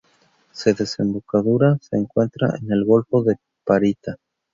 Su desembocadura se encuentra en el golfo de Parita.